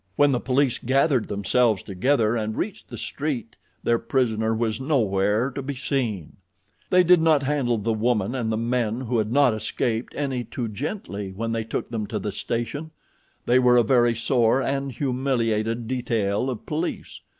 When the police gathered themselves together and reached the street their prisoner was nowhere to be seen. They did not handle the woman and the men who had not escaped any too gently when they took them to the station; they were a very sore and humiliated detail of police.